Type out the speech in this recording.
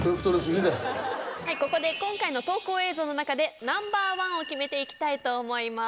ここで今回の投稿映像の中でＮｏ．１を決めて行きたいと思います。